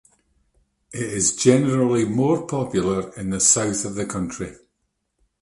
It is generally more popular in the south of the country.